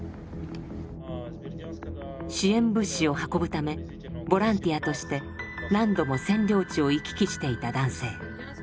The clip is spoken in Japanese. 支援物資を運ぶためボランティアとして何度も占領地を行き来していた男性。